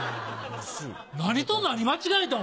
何と何間違えたん？